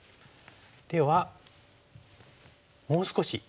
ではもう少し。